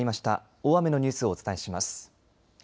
大雨のニュースをお伝えします。